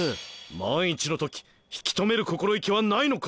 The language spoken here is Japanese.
万一の時引き留める心意気はないのか？